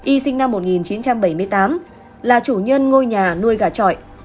y sinh năm một nghìn chín trăm bảy mươi tám là chủ nhân ngôi nhà nuôi gà trọi